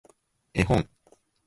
絵本